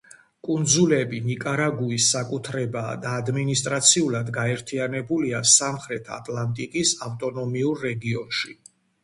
კუნძულები ნიკარაგუის საკუთრებაა და ადმინისტრაციულად გაერთიანებულია სამხრეთ ატლანტიკის ავტონომიურ რეგიონში.